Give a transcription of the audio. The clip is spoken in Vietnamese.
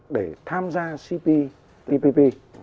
để tham gia cptpp